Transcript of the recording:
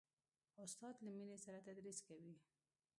استاد له مینې سره تدریس کوي.